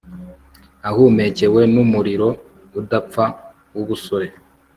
Ahumekewe numuriro udapfa wubusore